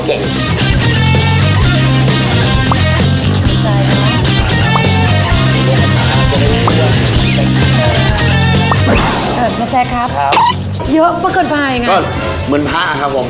ก็เหมือนพระครับผม